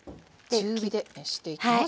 中火で熱していきます。